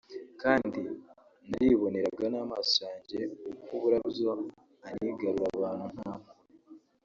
kandi nariboneraga n’amaso yanjye uko Burabyo anigagura abantu nta mpuhwe